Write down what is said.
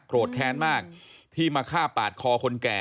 แค้นมากที่มาฆ่าปาดคอคนแก่